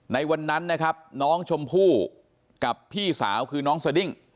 ในวันนั้นนะครับน้องชมพู่กับพี่สาวคือน้องสดิ้ง